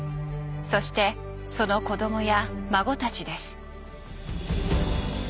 そしてその子供や孫たちです。